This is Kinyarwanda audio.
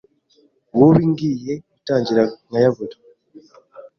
bubi ngiye gutangira nkayabura.